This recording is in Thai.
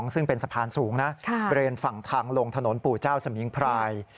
ซึ่งเป็นสะพานสูงนะบริเวณฝั่งทางลงถนนปู่เจ้าสมิงพราย